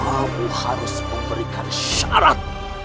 ambil harus memberikan syarat